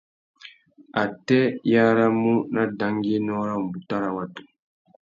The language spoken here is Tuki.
Atê i aramú nà dangüiénô râ umbuta râ watu?